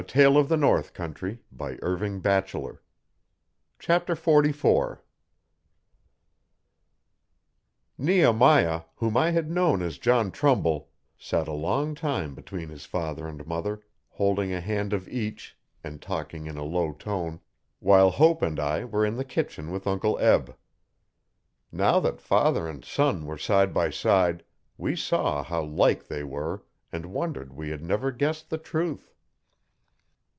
Bill Brower, limber up yer leather a leetle bit.' Chapter 44 Nehemiah, whom I had known as John Trumbull, sat a long time between his father and mother, holding a hand of each, and talking in a low tone, while Hope and I were in the kitchen with Uncle Eb. Now that father and son were side by side we saw how like they were and wondered we had never guessed the truth.